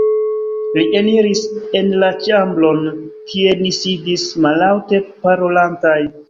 Li eniris en la ĉambron, kie ni sidis mallaŭte parolantaj.